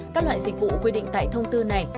các loại dịch vụ quy định tại thông tư này